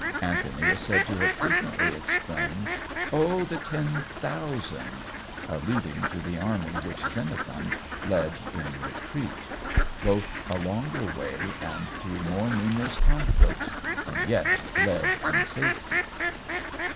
Antony is said to have frequently exclaimed: 'Oh! the ten thousand!' alluding to the army which Xenophon led in retreat; both a longer way and through more numerous conflicts, and yet led in safety."